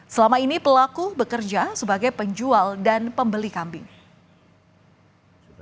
selama ini pelaku bekerja sebagai penjual dan pembeli kambing